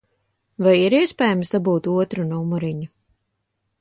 Vai ir iespējams dabūt otru numuriņu?